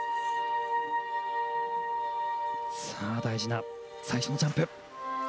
大事な最初のジャンプ。